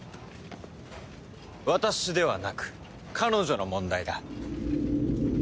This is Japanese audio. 私ではなく彼女の問題だ。